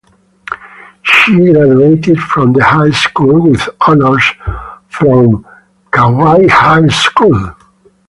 She graduated from high school with honors from Kauai High School.